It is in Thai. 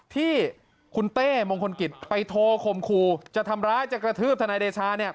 ที่คุณเต้มงคลกิจไปโทรคมคู่จะทำร้ายจะกระทืบทนายเดชาเนี่ย